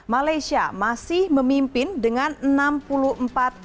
malaysia masih memimpin dengan enam puluh empat orang